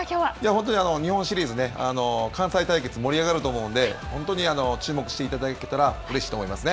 本当に日本シリーズ、関西対決盛り上がると思うので、本当に注目していただけたら、うれしいと思いますね。